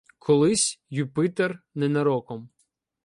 Колись Юпитер ненароком